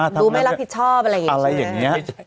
ดูไม่รับผิดชอบอะไรอย่างนี้